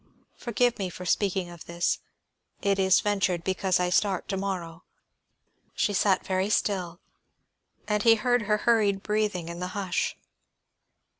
Forgive me for speaking of this; it is ventured because I start to morrow." She sat very still, and he heard her hurried breathing in the hush.